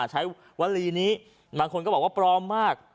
วลีนี้บางคนก็บอกว่าปลอมมาก